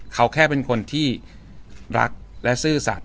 เขาแค่เป็นคนที่รักและซื่อสัตว